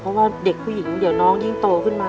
เพราะว่าเด็กผู้หญิงเดี๋ยวน้องยิ่งโตขึ้นมา